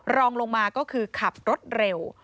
รองลงมาก็คือขับรถเร็ว